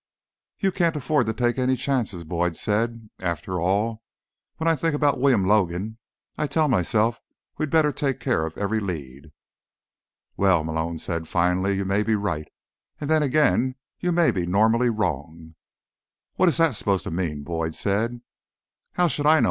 "You can't afford to take any chances," Boyd said. "After all, when I think about William Logan, I tell myself we'd better take care of every lead." "Well," Malone said finally, "you may be right. And then again, you may be normally wrong." "What is that supposed to mean?" Boyd said. "How should I know?"